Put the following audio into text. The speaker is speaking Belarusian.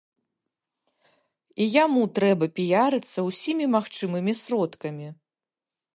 І яму трэба піярыцца ўсімі магчымымі сродкамі.